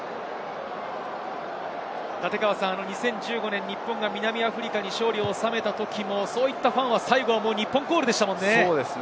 ２０１５年、日本が南アフリカに勝利を収めたときもそういったファンは最後は日本コールでしたものね。